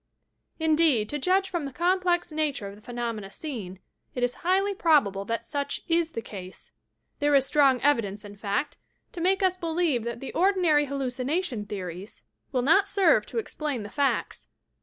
Indeed, to judge from the complex nature of the phe nomena seen, it is highly probable that such is the case. There is strong evidence, in fact, to make us believe that the ordinary hallucination theories will not serve to ex ^ 246 YOUR PSYCHIC POWERS plain the facts.